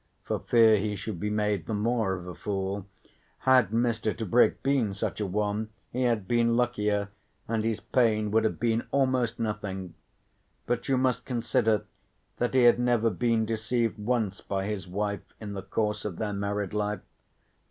for fear he should be made the more of a fool, had Mr. Tebrick been such a one he had been luckier, and his pain would have been almost nothing. But you must consider that he had never been deceived once by his wife in the course of their married life.